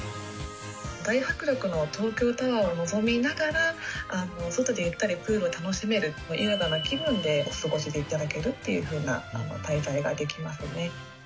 大迫力の東京タワーを臨みながら、外でゆったりプールを楽しめる、優雅な気分でお過ごしいただけるというふうな滞在ができますね。